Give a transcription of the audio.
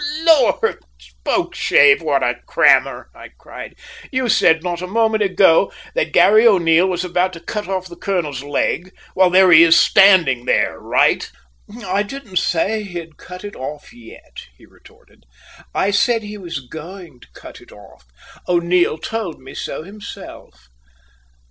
"O, Lor', Spokeshave, what a crammer!" I cried. "You said not a moment ago that Garry O'Neil was about to cut off the colonel's leg, while there he is standing there, all right!" "I didn't say he had cut it off yet," he retorted; "I said he was going to cut it off. O'Neil told me so himself."